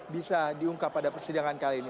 bisa diungkap pada persidangan kali ini